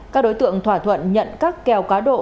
các đối tượng thỏa thuận nhận các kèo cá độ